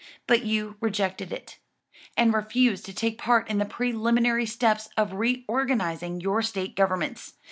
But you rejected it, and refused to take part in the preliminary steps for reorganizing your State governments.